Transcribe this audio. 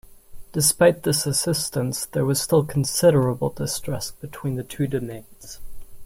Despite this assistance, there was still considerable distrust between the two domains.